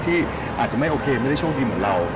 ที่อาจจะไม่โอเคไม่ได้โชคดีเหมือนเรา